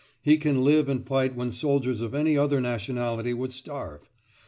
He can live and fight when soldiers of any other nationality would starve.